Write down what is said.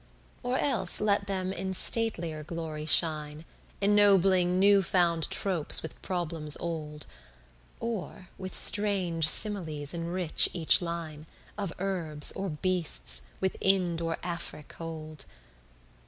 Or else let them in statelier glory shine, Ennobling new found tropes with problems old, Or with strange similes enrich each line, Of herbs or beasts which Inde or Afric' hold.